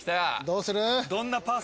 どうする？